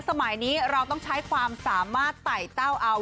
สมัยนี้เราต้องใช้ความสามารถไต่เต้าเอา